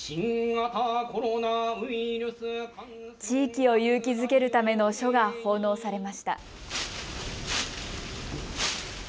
地域を勇気づけるための書が奉納されました。